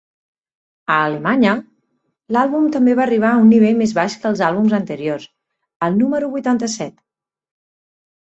A Alemanya l'àlbum també va arribar a un nivell més baix que els àlbums anteriors, al número vuitanta-set.